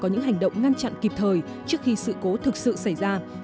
có những hành động ngăn chặn kịp thời trước khi sự cố thực sự xảy ra